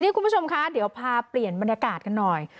คุณผู้ชมคะเดี๋ยวพาเปลี่ยนบรรยากาศกันหน่อย